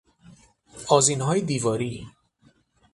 آذینهای دیواری